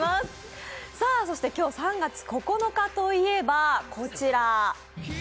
そして今日３月９日といえばこちら。